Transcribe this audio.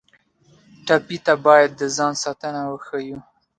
ټپي ته باید د ځان ساتنه وښیو.